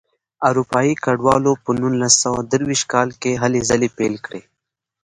اروپایي کډوالو په نولس سوه درویشت کال کې هلې ځلې پیل کړې.